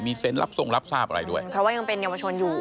เซ็นต์รับทรงรับทราบอะไรด้วยเพราะว่ายังเป็นเยาวชนอยู่